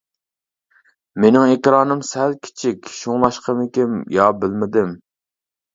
مېنىڭ ئېكرانىم سەل كىچىك شۇڭلاشقىمىكىن يا بىلمىدىم.